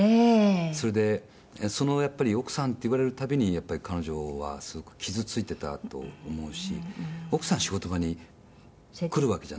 それで、その、やっぱり「奥さん」って言われる度に彼女はすごく傷ついてたと思うし奥さんが仕事場に来るわけじゃなくて。